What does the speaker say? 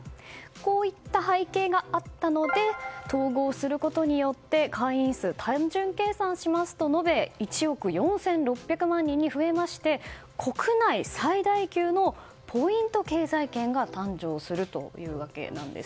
こういった背景があったので統合することによって会員数、単純計算すると延べ１億４６００万人に増えまして国内最大級のポイント経済圏が誕生するというわけなんです。